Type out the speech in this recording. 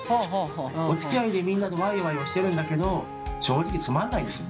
おつきあいでみんなとワイワイをしてるんだけど正直つまんないんですよね。